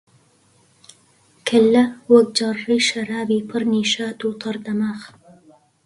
کەللە وەک جەڕڕەی شەرابی پر نیشات و تەڕ دەماغ